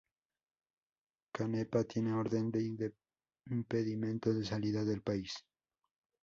Cánepa tiene orden de impedimento de salida del país.